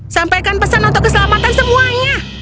sampaikan pesan untuk keselamatan semuanya